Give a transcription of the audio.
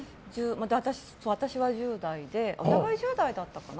私は１０代でお互い１０代だったかな。